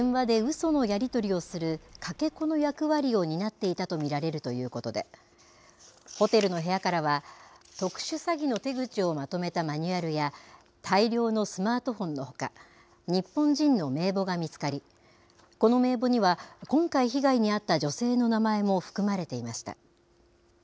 そのやり取りをするかけ子の役割を担っていたと見られるということで、ホテルの部屋からは、特殊詐欺の手口をまとめたマニュアルや、大量のスマートフォンのほか、日本人の名簿が見つかり、この名簿には、今回、被害に遭った女性の名前も含まれていました。